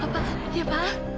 pak ya pak